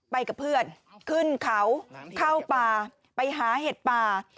ไปกับเพื่อนขึ้นเขาเข้าป่าไปหาเห็ดป่า